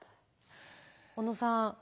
小野さん